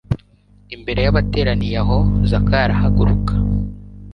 Imbere y'abateraniye aho, Zakayo arahaguruka,